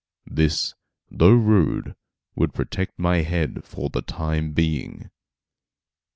This, though rude, would protect my head for the time being.